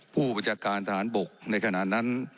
ผู้บัญชาการทหารบกในขณะนั้น